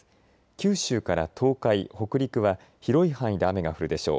九州から東海、北陸は広い範囲で雨が降るでしょう。